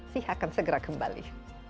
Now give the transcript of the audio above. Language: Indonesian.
siha akan segera kembali